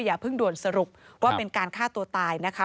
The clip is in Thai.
อย่าเพิ่งด่วนสรุปว่าเป็นการฆ่าตัวตายนะคะ